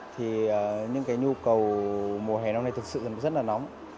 thì những cái nhu cầu mùa hè năm nay thực sự rất là nóng